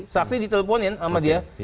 saksi diteleponin sama dia